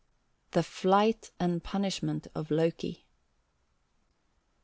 THE FLIGHT AND PUNISHMENT OF LOKI.